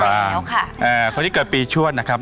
อ่าเค้าที่เกิดปีชวนนะครับ